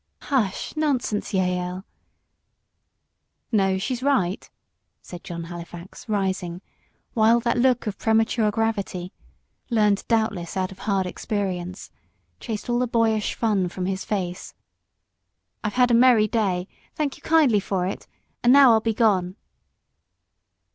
"Hush! nonsense, Jael." "No she's right," said John Halifax, rising, while that look of premature gravity, learned doubtless out of hard experience, chased all the boyish fun from his face. "I've had a merry day thank you kindly for it! and now I'll be gone."